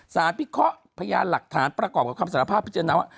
พิเคราะห์พยานหลักฐานประกอบกับคำสารภาพพิจารณาว่า